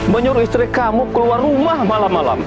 menyuruh istri kamu keluar rumah malam malam